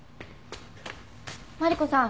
マリコさん